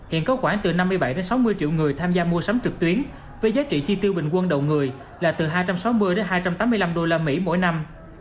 hiện có khoảng từ năm mươi bảy sáu mươi triệu người tham gia mua sắm trực tuyến với giá trị chi tiêu bình quân đầu người là từ hai trăm sáu mươi đến hai trăm tám mươi năm usd mỗi năm